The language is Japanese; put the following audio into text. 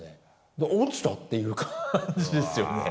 あっ、落ちたっていう感じですよね。